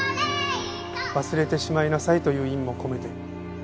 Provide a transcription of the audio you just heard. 忘れてしまいなさいという意味も込めて。